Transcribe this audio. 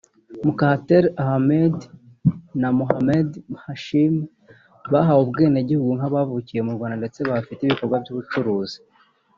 Mukhtar Ahmed na Mohamed Hashim bahawe ubwenegihugu nk’abavukiye mu Rwanda ndetse bahafite ibikorwa by’ubucuruzi